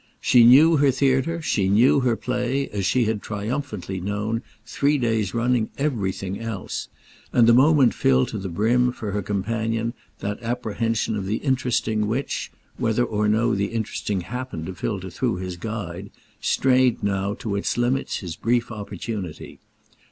She knew her theatre, she knew her play, as she had triumphantly known, three days running, everything else, and the moment filled to the brim, for her companion, that apprehension of the interesting which, whether or no the interesting happened to filter through his guide, strained now to its limits his brief opportunity.